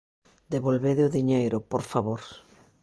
Devolvede o diñeiro, por favor!